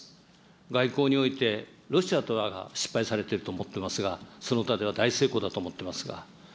外交において、ロシアとは失敗されてると思っておりますが、その他では大成功だと思ってますが。